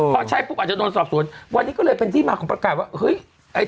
พอใช้ปุ๊บอาจจะโดนสอบสวนวันนี้ก็เลยเป็นที่มาของประกาศว่าเฮ้ย